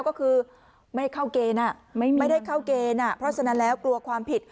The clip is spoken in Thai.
ก็คือไม่เข้าเกณฑ์ไม่ได้เข้าเกณฑ์เพราะฉะนั้นแล้วกลัวความผิด